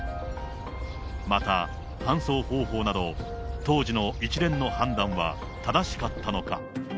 また、搬送方法など、当時の一連の判断は正しかったのか。